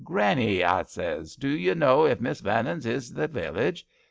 'Granny/ a zays, *do you know ef Miss Veraon is i* the village?'